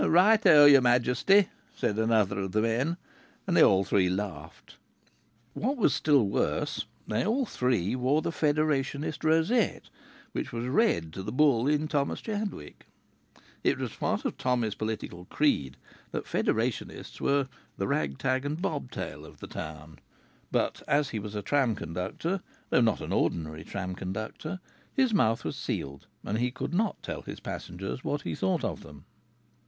"Right oh! your majesty," said another of the men, and they all three laughed. What was still worse, they all three wore the Federationist rosette, which was red to the bull in Thomas Chadwick. It was part of Tommy's political creed that Federationists were the "rag, tag, and bob tail" of the town. But as he was a tram conductor, though not an ordinary tram conductor, his mouth was sealed, and he could not tell his passengers what he thought of them.